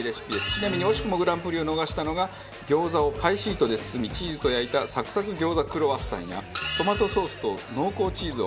ちなみに惜しくもグランプリを逃したのが餃子をパイシートで包みチーズと焼いたサクサク餃子クロワッサンやトマトソースと濃厚チーズを合わせた餃子ピザ。